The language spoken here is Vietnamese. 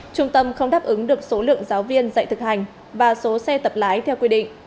trung tâm không đáp ứng được số lượng giáo viên dạy thực hành và số xe tập lái theo quy định